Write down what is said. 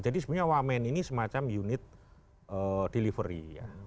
jadi sebenarnya wamen ini semacam unit delivery ya